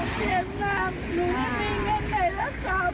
พ่อหนูเกียรติแม่งหนูไม่มีเงินใดแล้วค่ะพ่อ